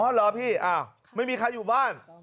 เหรอพี่ไม่มีใครอยู่บ้าน